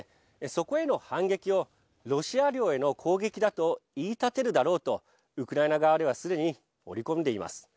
そこへの反撃をロシア領への攻撃だと言い立てるだろうとウクライナ側ではすでに折り込んでいます。